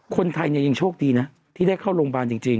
คนไทยเนี่ยยังโชคดีนะที่ได้เข้าโรงพยาบาลจริง